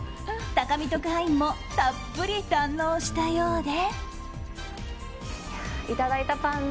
高見特派員もたっぷり堪能したようで。